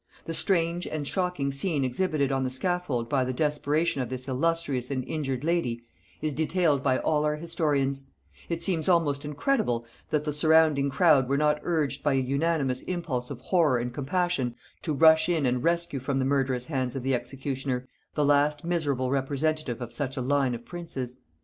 The strange and shocking scene exhibited on the scaffold by the desperation of this illustrious and injured lady, is detailed by all our historians: it seems almost incredible that the surrounding crowd were not urged by an unanimous impulse of horror and compassion to rush in and rescue from the murderous hands of the executioner the last miserable representative of such a line of princes.